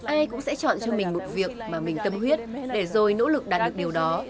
ai cũng sẽ chọn cho mình một việc mà mình tâm huyết để rồi nỗ lực đạt được điều đó